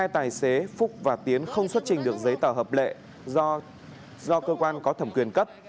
hai tài xế phúc và tiến không xuất trình được giấy tờ hợp lệ do cơ quan có thẩm quyền cấp